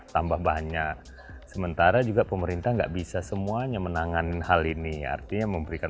tambah banyak sementara juga pemerintah nggak bisa semuanya menangan hal ini artinya memberikan